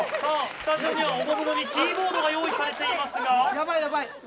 スタジオにはキーボードが用意されていますが。